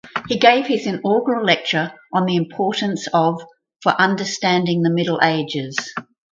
He gave his inaugural lecture on the importance of for understanding the Middle Ages.